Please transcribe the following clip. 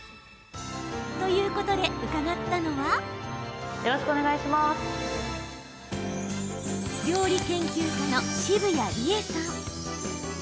ということで伺ったのは料理研究家の澁谷梨絵さん。